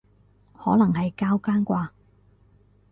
可能係交更啩